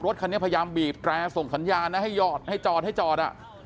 รถคันนี้พยายามบีบแตรส่งสัญญาณนะให้หอดให้จอดให้จอด